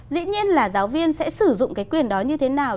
dĩ nhiên là giáo viên sẽ sử dụng cái quyền đó như thế nào